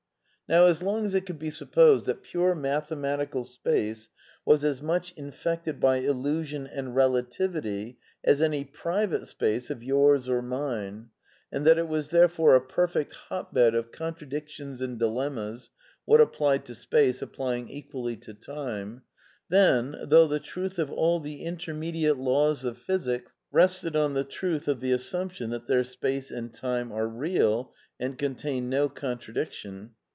Now, as long as it could be supposed that pure mathematical space was as much infected by illusion and relativity as any " private " space of yours or mine, and that it was therefore a perfect hotbed of contradictions and dilemmas (what applied to space applying equally to time) ; then, though the truth of all the intermediate laws of physics rested on the truth of the assumption that their space and time are " real " and contain no contradiction.